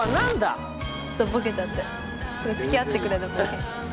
ボケちゃって付き合ってくれたボケに。